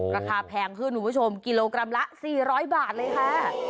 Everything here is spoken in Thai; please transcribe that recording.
แพงขึ้นคุณผู้ชมกิโลกรัมละ๔๐๐บาทเลยค่ะ